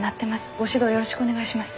ご指導よろしくお願いします。